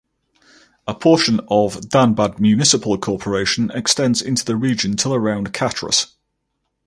A portion of Dhanbad Municipal Corporation extends into the region till around Katras.